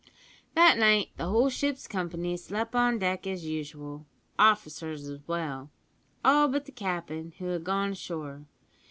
"That night the whole ship's company slep' on deck as usual officers as well all but the cap'n, who had gone ashore.